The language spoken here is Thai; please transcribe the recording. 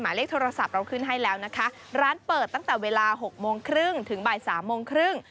เลขโทรศัพท์เราขึ้นให้แล้วนะคะร้านเปิดตั้งแต่เวลาหกโมงครึ่งถึงบ่ายสามโมงครึ่ง